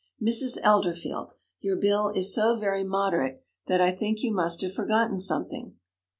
'Mrs. Elderfield, your bill is so very moderate that I think you must have forgotten something.'